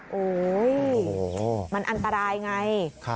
โอ้โหมันอันตรายไง